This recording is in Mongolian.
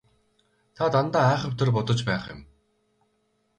Та дандаа айхавтар бодож байх юм.